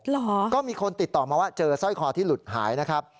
เหรอก็มีคนติดต่อมาว่าเจอสร้อยคอที่หลุดหายนะครับ